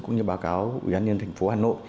cũng như báo cáo uyên nhân thành phố hà nội